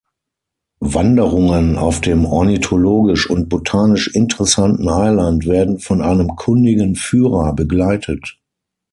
Wanderungen auf dem ornithologisch und botanisch interessanten Eiland werden von einem kundigen Führer begleitet.